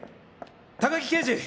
高木刑事！